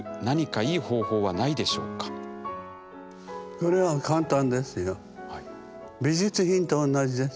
これは簡単ですよ。